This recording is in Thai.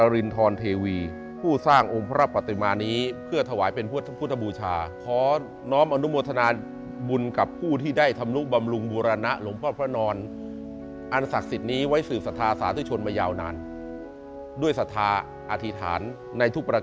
ดูพระเนธท่านลืมเห็นมั้ยครับ